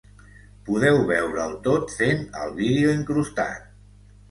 Podeu veure’l tot fent al vídeo incrustat.